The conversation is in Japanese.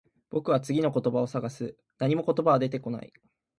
僕は次の言葉を探す。何も言葉は出てこない。